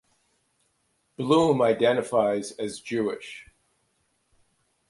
Bloom identifies as Jewish.